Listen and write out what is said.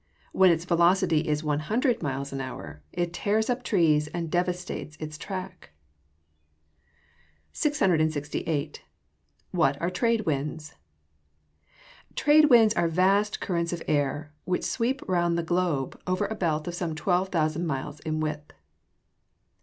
When its velocity is one hundred miles an hour, it tears up trees, and devastates its track. 668. What are trade winds? Trade winds are vast currents of air, which sweep round the globe over a belt of some 12,000 miles in width.